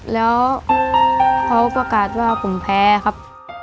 แล้วเขาประกาศว่าผมแพ้ครับ